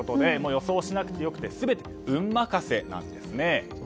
予想しなくてよくて全て運任せなんですね。